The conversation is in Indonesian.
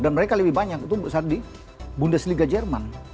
dan mereka lebih banyak itu saat di bundesliga jerman